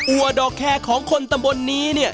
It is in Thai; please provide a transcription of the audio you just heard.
วัวดอกแคร์ของคนตำบลนี้เนี่ย